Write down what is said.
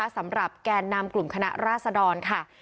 สำหรับแกนนำกลุ่มคณะราษดรค่ะ